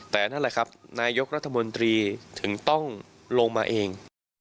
แต่นั่นเลยครับนายกตรวจสาวหวัตถีภัยถึงต้องลงมาเอง